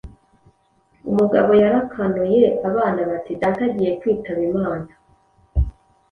Umugabo yarakanuye, abana bati: “Data agiye kwitaba Imana”,